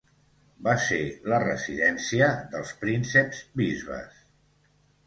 Va ser la residència dels prínceps-bisbes.